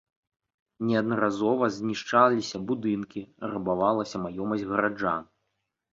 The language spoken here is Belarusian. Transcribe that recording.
Неаднаразова знішчаліся будынкі, рабавалася маёмасць гараджан.